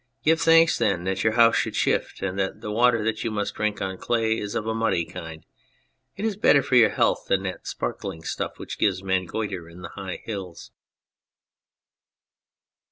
Give thanks then that your house should shift, and that the water that you must drink on clay is of a muddy kind ; it is better for your health than that sparkling stuff which gives men goitre in the high hills.